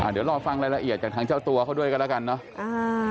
เดี๋ยวรอฟังรายละเอียดจากทางเจ้าตัวเขาด้วยกันแล้วกันเนอะ